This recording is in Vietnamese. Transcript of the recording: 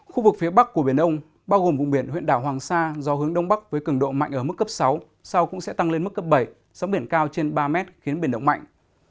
khu vực phía bắc của biển đông bao gồm vùng biển huyện đảo hoàng sa gió hướng đông bắc với cường độ mạnh ở mức cấp sáu sau cũng sẽ tăng lên mức cấp bảy sóng biển cao trên ba mét khiến biển động mạnh